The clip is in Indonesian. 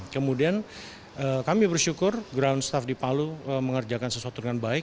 kemudian kami bersyukur ground staff di palu mengerjakan sesuatu dengan baik